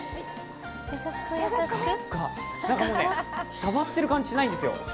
ふかふか、もう触ってる感じしないんですよ。